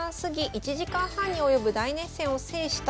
１時間半に及ぶ大熱戦を制した